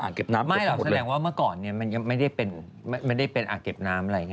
อ่างเก็บน้ำเก็บหมดเลยไม่เหรอแสดงว่าเมื่อก่อนมันยังไม่ได้เป็นอ่างเก็บน้ำอะไรอย่างนี้